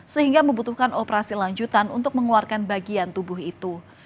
sehingga membutuhkan operasi lanjutan untuk mengeluarkan bagian tubuh itu